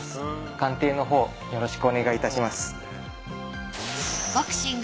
鑑定のほうよろしくお願いいたします。